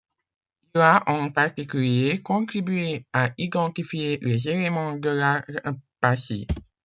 Il a en particulier contribué à identifier les éléments de l'Ara Pacis.